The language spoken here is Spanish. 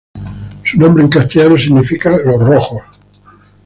Su nombre en castellano significa "Los Rojos".